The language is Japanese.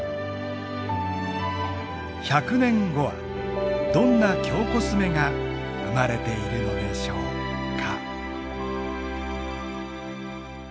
１００年後はどんな京コスメが生まれているのでしょうか。